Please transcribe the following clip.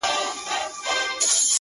تیاره وریځ ده؛ باد دی باران دی؛